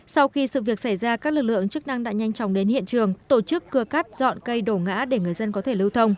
sau khi sự việc xảy ra các lực lượng chức năng đã nhanh chóng đến hiện trường tổ chức cưa cắt dọn cây đổ ngã để người dân có thể lưu thông